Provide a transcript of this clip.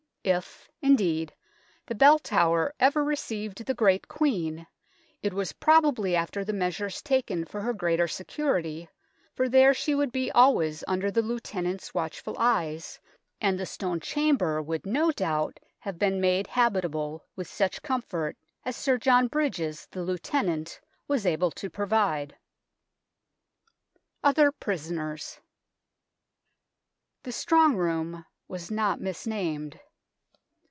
If, indeed, the Bell Tower ever received the great Queen, it was probably after the measures taken for her greater security, for there she would be always under the Lieutenant's watchful eyes, and the stone chamber would no doubt have been made habitable with such comfort as Sir John Brydges, the Lieutenant, was able to provide. OTHER PRISONERS The " Strong Room " was not misnamed.